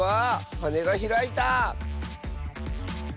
はねがひらいた！